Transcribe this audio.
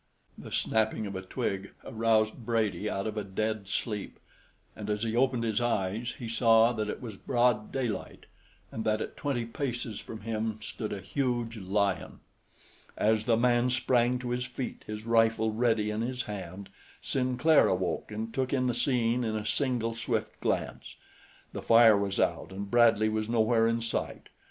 The snapping of a twig aroused Brady out of a dead sleep, and as he opened his eyes, he saw that it was broad daylight and that at twenty paces from him stood a huge lion. As the man sprang to his feet, his rifle ready in his hand, Sinclair awoke and took in the scene in a single swift glance. The fire was out and Bradley was nowhere in sight.